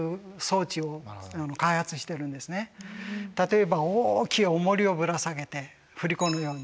例えば大きいおもりをぶら下げて振り子のように。